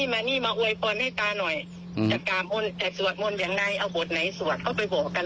ไม่ได้เป็นร่างทรงให้ตอนนั่งตาม